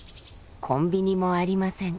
コンビニもありません。